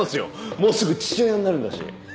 もうすぐ父親になるんだし。